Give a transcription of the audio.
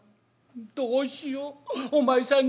どうしようお前さんに」。